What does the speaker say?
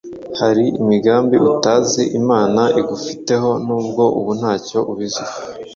Hari imigambi utazi, Imana igufiteho nubwo ubu nta cyo ubiziho.